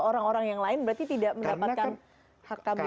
kalau orang orang yang lain berarti tidak mendapatkan hak kambing itu ya